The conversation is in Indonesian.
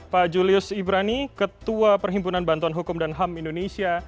pak julius ibrani ketua perhimpunan bantuan hukum dan ham indonesia